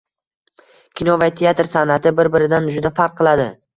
Kino va teatr san’ati bir-biridan juda farq qiladi.